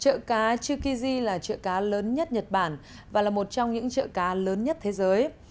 chợ cá chư là chợ cá lớn nhất nhật bản và là một trong những chợ cá lớn nhất thế giới